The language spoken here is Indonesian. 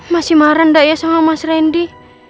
masih marah ya sama mas randy